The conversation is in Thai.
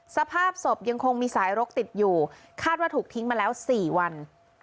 สภาพศพยังคงมีสายรกติดอยู่คาดว่าถูกทิ้งมาแล้ว๔วัน